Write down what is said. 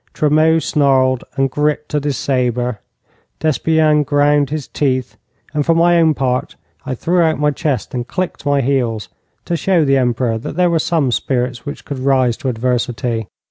Tremeau snarled and gripped at his sabre, Despienne ground his teeth, and for my own part I threw out my chest and clicked my heels to show the Emperor that there were some spirits which could rise to adversity.